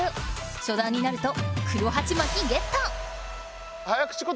初段になると黒はちまきゲット！